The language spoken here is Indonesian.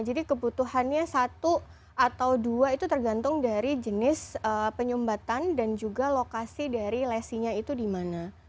jadi kebutuhannya satu atau dua itu tergantung dari jenis penyumbatan dan juga lokasi dari lesinya itu dimana